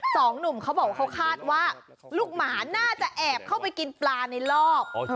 สองหนุ่มเขาบอกว่าเขาคาดว่าลูกหมาน่าจะแอบเข้าไปกินปลาในรอบ